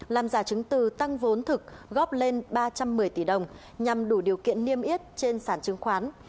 làm giả chứng từ tăng vốn thực góp lên ba trăm một mươi tỷ đồng nhằm đủ điều kiện niêm yết trên sản chứng khoán